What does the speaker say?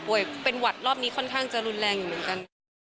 เป็นหวัดรอบนี้ค่อนข้างจะรุนแรงอยู่เหมือนกัน